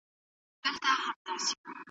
ایا تاسي پوهېږئ چې ننګرهار د مېوو ولایت دی؟